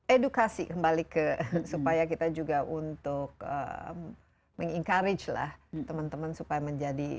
edukasi kembali ke supaya kita juga untuk meng encourage lah teman teman supaya menjadi